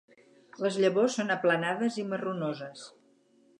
Les llavors són aplanades i marronoses.